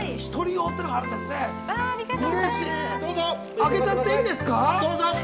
開けちゃっていいですか。